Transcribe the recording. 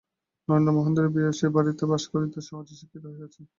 নরেন্দ্র মহেন্দ্রের ব্যয়ে সে বাড়িতে বাস করিতে সহজেই স্বীকৃত হইয়াছে।